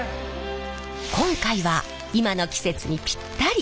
今回は今の季節にぴったり！